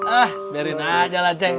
ah biarin aja lah cik